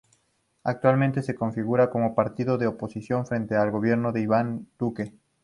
Actualmente se configura como partido de oposición frente al gobierno de Iván Duque.